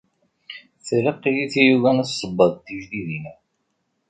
Tlaq-iyi tyuga n ṣebbaḍ tijdidin.